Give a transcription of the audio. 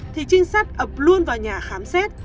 thì trinh sát ập luôn vào nhà khám xét